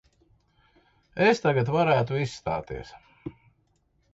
Es tagad varētu izstāties.